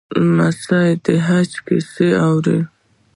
لمسی د حج کیسې اوري.